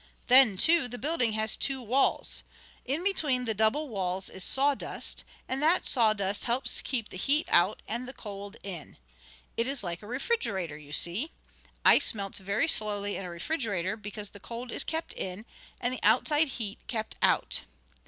Then, too, the building has two walls. In between the double walls is sawdust, and that sawdust helps to keep the heat out, and the cold in. It is like a refrigerator you see. Ice melts very slowly in a refrigerator because the cold is kept in, and the outside heat kept out."